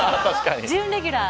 準レギュラー。